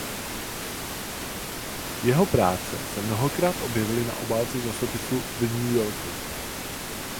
Jeho práce se mnohokrát objevily na obálce časopisu "The New Yorker".